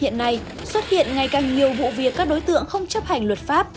hiện nay xuất hiện ngày càng nhiều vụ việc các đối tượng không chấp hành luật pháp